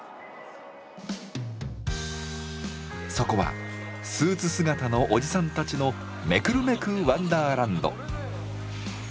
そこはスーツ姿のオジサンたちの目くるめくワンダーランド。